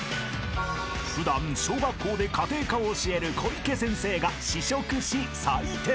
［普段小学校で家庭科を教える小池先生が試食し採点］